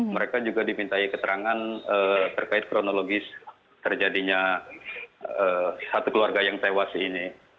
mereka juga dimintai keterangan terkait kronologis terjadinya satu keluarga yang tewas ini